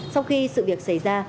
sau khi sự việc xảy ra